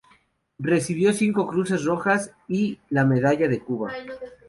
Recibió cinco cruces Rojas y la medalla de Cuba.